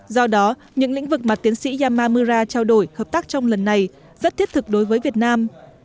do đó những lĩnh vực mà tiến sĩ yamamura trao đổi hợp tác trong lần này rất thiết thực đối với việt nam